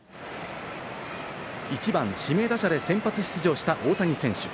１番・指名打者で先発出場した大谷選手。